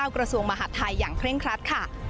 กระทรวงมหาดไทยอย่างเคร่งครัดค่ะ